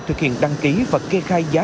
thực hiện đăng ký và kê khai giá